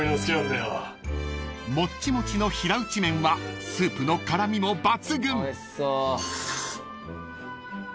［もっちもちの平打ち麺はスープの絡みも抜群］